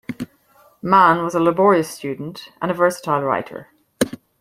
Mann was a laborious student and a versatile writer.